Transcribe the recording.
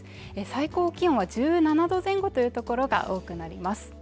最高気温は１７度前後という所が多くなります